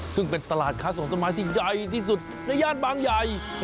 ซึ่งเป็นตลาดค้าส่งต้นไม้ที่ใหญ่ที่สุดในย่านบางใหญ่